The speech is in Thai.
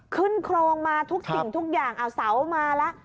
ขึ้นโครงมาทุกสิ่งทุกอย่างเอาเสามาแล้ว